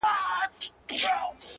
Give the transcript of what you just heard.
وچ لانده بوټي يې ټوله سوځوله!